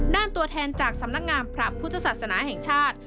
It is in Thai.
ตัวแทนจากสำนักงามพระพุทธศาสนาแห่งชาติ